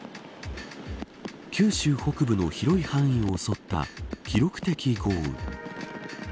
九州北部の広い範囲を襲った記録的豪雨。